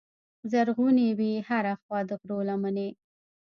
زرغونې وې هره خوا د غرو لمنې